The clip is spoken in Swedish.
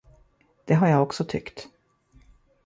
Det har jag också tyckt.